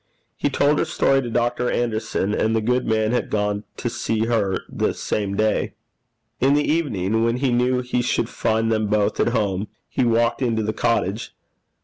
He told her story to Dr. Anderson, and the good man had gone to see her the same day. In the evening, when he knew he should find them both at home, he walked into the cottage.